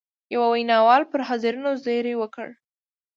یوه ویناوال پر حاضرینو زېری وکړ.